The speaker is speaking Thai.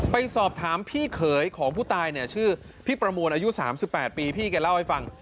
ไปสอบถามพี่เขยของผู้ตายเนี่ยชื่อพี่ประมวลอายุ๓๘ปีพี่แกเล่าให้ฟัง